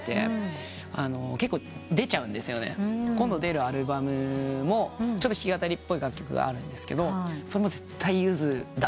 今度出るアルバムもちょっと弾き語りっぽい楽曲があるんですけど。